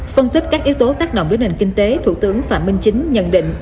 phân tích các yếu tố tác động đến nền kinh tế thủ tướng phạm minh chính nhận định